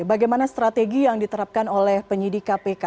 bagaimana strategi yang diterapkan oleh penyidik kpk